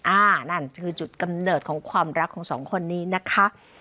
นั่นคือจุดกำเนิดของความรักของสองคนนี้นะคะ